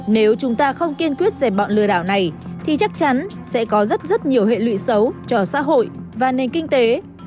nếu chúng ta không kiên quyết dẹp bọn lừa đảo này thì chắc chắn sẽ có rất rất nhiều hệ lụy xấu cho xã hội và nền kinh tế